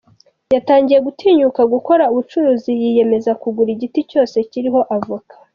Yatangiye gutinyuka gukora ubucuruzi, yiyemeza kugura igiti cyose kiriho avoka.